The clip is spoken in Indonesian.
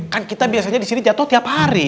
kan kita biasanya disini jatuh tiap hari